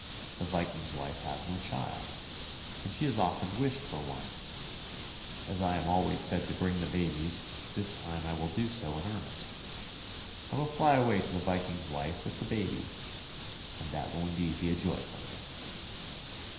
The Viking's wife has no child, and she has often wished for one. As I am always said to bring the babies, this time I will do so in THE MARSH KING'S DAUGHTER 279 earnest. I will fly away to the Viking's wife with the baby, and that will indeed be a joy for her."